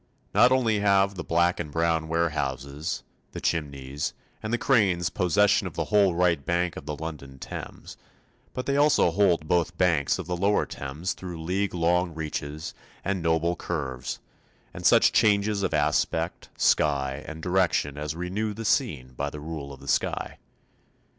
Not only have the black and brown warehouses, the chimneys, and the cranes possession of the whole right bank of the London Thames, but they hold both banks of the lower Thames through league long reaches and noble curves, and such changes of aspect, sky, and direction as renew the scene by the rule of the sky.